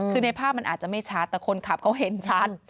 คือในภาพมันอาจจะไม่ชัดแต่คนขับเขาเห็นชัด